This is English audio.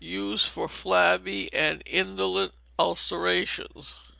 Use for flabby and indolent ulcerations.